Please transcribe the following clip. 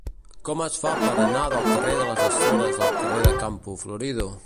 Com es fa per anar del carrer de les Açores al carrer de Campo Florido?